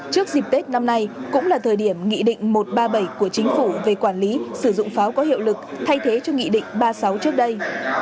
trước dịp tết năm nay cũng là thời điểm nghị định một trăm ba mươi bảy của chính phủ về quản lý sử dụng pháo có hiệu lực thay thế cho nghị định ba mươi sáu trước đây